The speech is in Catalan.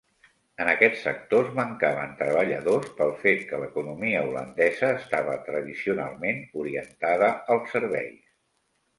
En aquests sectors mancaven treballadors pel fet que l'economia holandesa estava tradicionalment orientada als serveis.